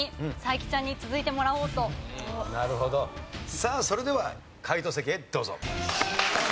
さあそれでは解答席へどうぞ。